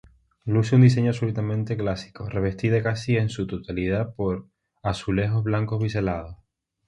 Luce un diseño absolutamente clásico, revestida casi en su totalidad por azulejos blancos biselados.